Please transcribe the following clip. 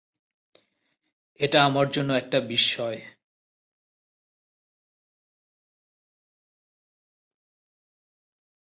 এটা আমার জন্য একটা বিশ্ময়।